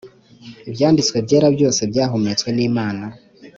Ibyanditswe byera byose byahumetswe n imana